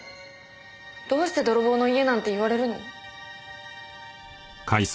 どうして泥棒の家なんて言われるの？